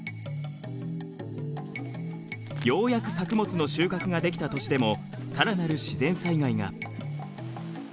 ようやく作物の収穫ができた年でも更なる自然災害が。